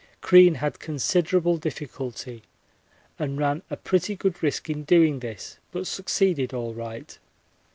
Crean had considerable difficulty and ran a pretty good risk in doing this, but succeeded all right.